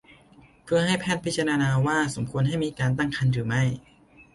เพื่อให้แพทย์พิจารณาว่าสมควรให้มีการตั้งครรภ์หรือไม่